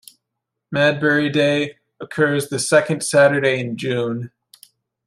Madbury Day occurs the second Saturday in June.